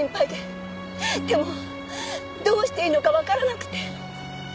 でもどうしていいのかわからなくて。